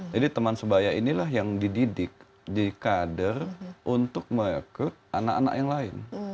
jadi teman sebaya inilah yang dididik di kader untuk merekrut anak anak yang lain